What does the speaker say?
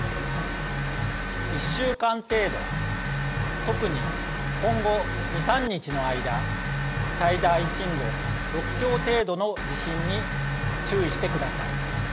１週間程度、特に今後２、３日の間、最大震度６強程度の地震に注意してください。